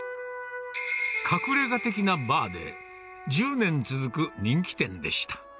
隠れが的なバーで、１０年続く人気店でした。